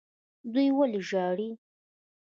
دوی ولې ژاړي.